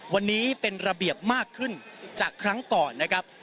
วันนี้เป็นระเบียบมากขึ้นจากครั้งก่อนนะครับ